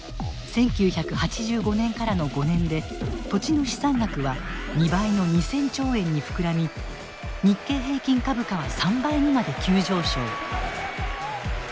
１９８５年からの５年で土地の資産額は２倍の２，０００兆円に膨らみ日経平均株価は３倍にまで急上昇。